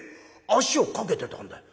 足をかけてたんだよ。